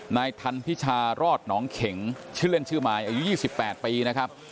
นายทันพิชารอดหนองเข็งชื่อเล่นชื่อมายอายุ๒๘ปีนะครับ